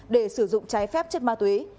để sử dụng trái phép chất ma túy